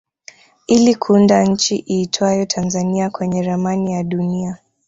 ili kuunda nchi iitwayo Tanzania kwenye ramani ya dunia